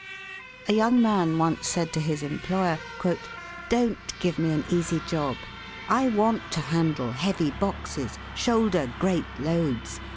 A young man once said to his employer, "Don't give me an easy job. I want to handle heavy boxes, shoulder great loads.